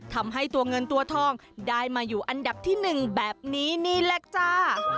ทำให้ตัวเงินตัวทองได้มาอยู่อันดับที่๑แบบนี้นี่แหละจ้า